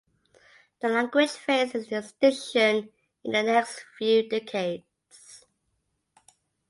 The language faces extinction in the next few decades.